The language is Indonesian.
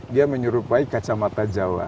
dia menyerupai kacamata jawa